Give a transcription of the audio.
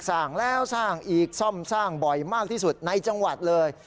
ซ่อมแล้วซ่อมอีกซ่อมซ่อมบ่อยมากที่สุดในจังหวัดเลย